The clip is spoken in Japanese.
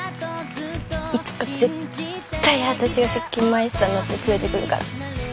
いつか絶対私が石鹸マイスターになって連れてくるから。